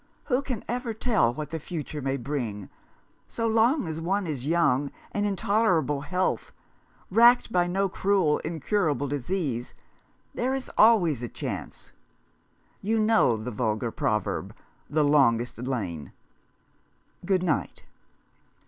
Who can ever tell what the future may bring ? So long as one is young, and in tolerable health, racked by no cruel incurable disease, there is always a chance. You know the vulgar proverb — the longest lane ! Good night."